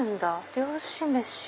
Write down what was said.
「漁師飯」。